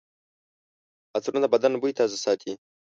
عطرونه د بدن بوی تازه ساتي.